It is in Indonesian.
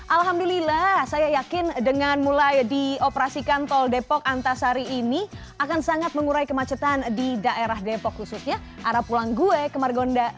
alhamdulillah saya yakin dengan mulai dioperasikan tol depok antasari ini akan sangat mengurai kemacetan di daerah depok khususnya arah pulang gue ke margonda